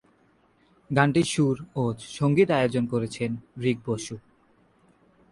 গানটির সুর ও সঙ্গীত আয়োজন করেছেন রিক বসু।